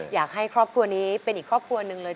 อยากให้ครอบครัวนี้เป็นอีกครอบครัวหนึ่งเลย